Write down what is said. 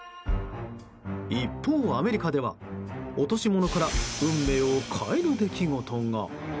一方、アメリカでは落とし物から運命を変える出来事が。